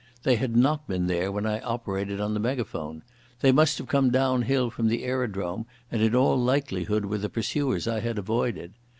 They had not been there when I operated on the megaphone. They must have come downhill from the aerodrome and in all likelihood were the pursuers I had avoided.